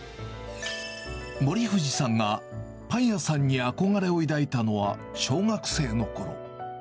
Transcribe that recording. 森藤さんがパン屋さんに憧れを抱いたのは小学生のころ。